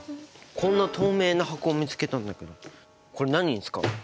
こんな透明な箱を見つけたんだけどこれ何に使うの？